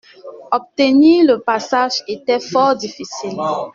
Obtenir le passage était fort difficile.